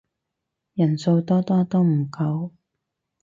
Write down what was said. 人數多多都唔夠